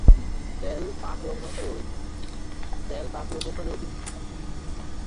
তেল প্রাক-লবণ স্তরের অধীনে।